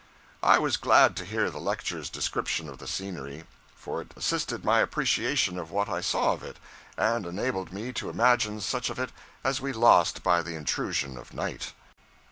I was glad to hear the lecturer's description of the scenery, for it assisted my appreciation of what I saw of it, and enabled me to imagine such of it as we lost by the intrusion of night.